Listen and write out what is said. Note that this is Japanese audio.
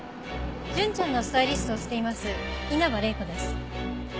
純ちゃんのスタイリストをしています稲葉玲子です。